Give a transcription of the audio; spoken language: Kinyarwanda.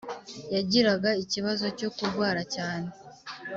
yagiraga ikibazo cyo kurwara cyane